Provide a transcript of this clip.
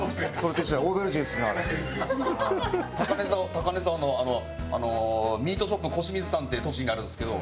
高根沢のミートショップこしみずさんって栃木にあるんですけど。